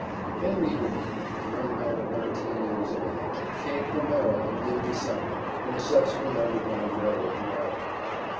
Henry Hooper, a young man of nineteen years of age, came from Maryland, in December, in a subsequent Underground Rail Road arrival.